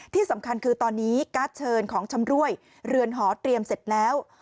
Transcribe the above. ที่สำคัญคือตอนนี้การ์ดเชิญของชำรวยเรือนหอเตรียมเสร็จแล้ว